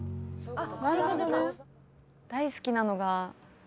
あっ。